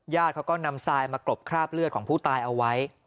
เขาก็นำทรายมากรบคราบเลือดของผู้ตายเอาไว้